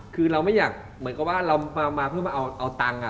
คือเราไม่อยากเหมือนกับว่าเรามาเพื่อมาเอาตังค์